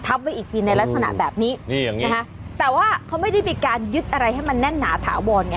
ไว้อีกทีในลักษณะแบบนี้นี่อย่างนี้นะคะแต่ว่าเขาไม่ได้มีการยึดอะไรให้มันแน่นหนาถาวรไง